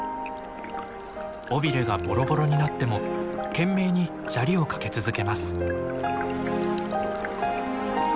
尾ビレがボロボロになっても懸命に砂利をかけ続けます。